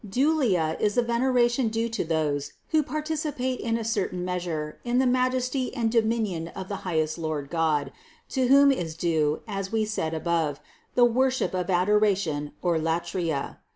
Dulia is the vener ation due to those who participate to a certain measure in the majesty and dominion of the highest Lord God, to whom is due, as we said above, the worship of adoration or latria.